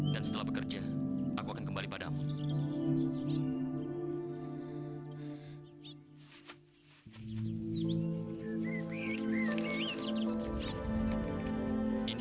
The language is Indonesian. dan setelah bekerja aku akan kembali padamu